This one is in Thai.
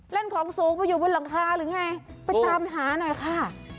เล่นของสูงไปอยู่บนหลังคาหรือไงไปตามหาหน่อยค่ะ